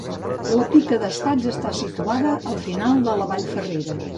La Pica d'estats esta situada al final de la Vallferrera.